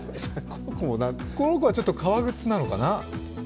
この子はちょっと革靴なのかな。